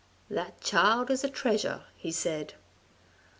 'That child is a treasure,' he said.